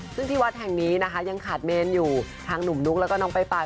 ซึ่งที่วัดแห่งนี้นะคะยังขาดเมนอยู่ทางหนุ่มนุ๊กแล้วก็น้องปลาย